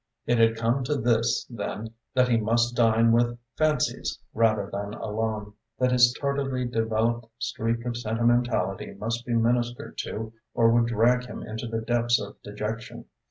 It had come to this, then, that he must dine with fancies rather than alone, that this tardily developed streak of sentimentality must be ministered to or would drag him into the depths of dejection.